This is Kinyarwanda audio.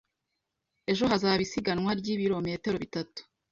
Ejo hazaba isiganwa ryibirometero bitatu.